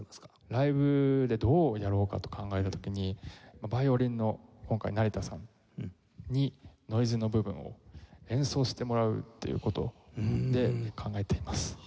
ライブでどうやろうかと考えた時にヴァイオリンの今回成田さんにノイズの部分を演奏してもらうっていう事で考えています。